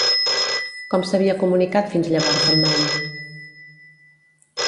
Com s'havia comunicat fins llavors amb May?